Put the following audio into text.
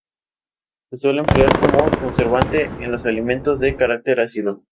Se suele emplear como conservante en los alimentos de caracter ácido.